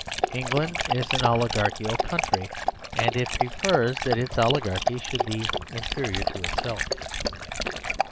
England is an oligarchical country, and it prefers that its oligarchy should be inferior to itself.